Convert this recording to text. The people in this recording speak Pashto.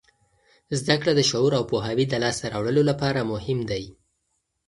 زده کړه د شعور او پوهاوي د لاسته راوړلو لپاره مهم دی.